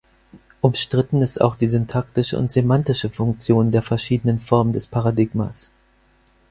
Umstritten ist auch die syntaktische und semantische Funktion der verschiedenen Formen des Paradigmas.